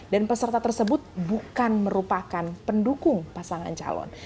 dan peserta tersebut bukan merupakan pendukung pasangan calon